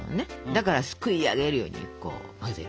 だからすくいあげるようにこう混ぜる。